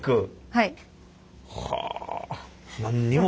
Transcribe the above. はい。